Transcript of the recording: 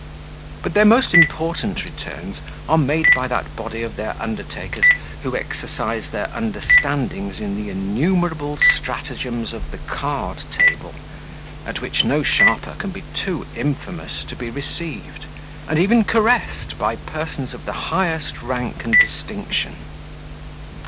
But their most important returns are made by that body of their undertakers who exercise their understandings in the innumerable stratagems of the card table, at which no sharper can be too infamous to be received, and even caressed by persons of the highest rank and distinction.